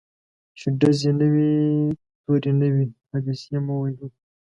چي ډزي نه وي توری نه وي حادثې مو وهي